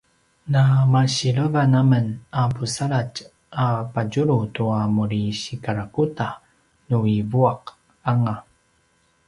na masilevan amen a pusaladj a padjulu tua muri sikarakuda nu i vuaq anga